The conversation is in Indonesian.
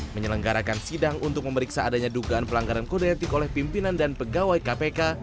menyelenggarakan sidang untuk memeriksa adanya dugaan pelanggaran kode etik oleh pimpinan dan pegawai kpk